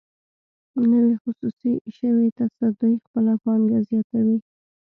نوې خصوصي شوې تصدۍ خپله پانګونه زیاتوي.